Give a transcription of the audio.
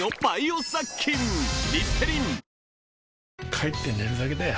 帰って寝るだけだよ